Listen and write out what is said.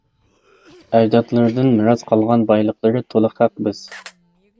ئەجدادلىرىدىن مىراس قالغان بايلىقلىرى تولا خەق بىز!